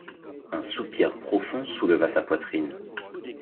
Un soupir profond souleva sa poitrine.